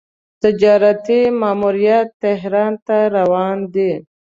تجارتي ماموریت تهران ته روان دی.